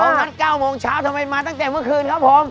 เพราะงั้นเก้าโมงเช้าทำไมมาตั้งแต่เมื่อคืนครับผม